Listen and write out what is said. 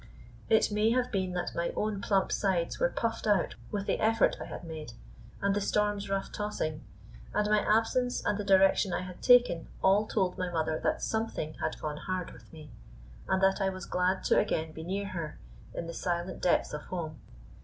It may have been that my own plump sides were puffed out with the effort I had made, and the storm's rough tossing, and my absence and the direction I had taken all told my mother that something had gone hard with me, and that I was glad to again be near her in the silent depths of home.